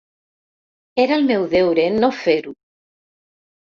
Era el meu deure no fer-ho.